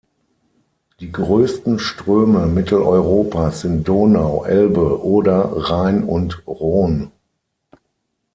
Die größten Ströme Mitteleuropas sind Donau, Elbe, Oder, Rhein und Rhône.